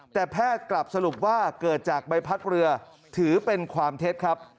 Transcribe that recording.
แต่แพทย์กลับสรุปว่าเกิดจากใบพัดเรือถือเป็นความเท็จครับ